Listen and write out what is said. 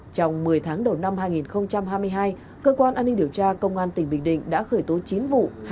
trong một mươi tháng đầu năm hai nghìn hai mươi hai cơ quan an ninh điều tra công an tỉnh bình định đã khởi tố chín vụ